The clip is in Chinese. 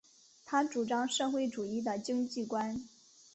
他主张社会主义的经济观。